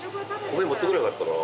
米持ってくればよかったな。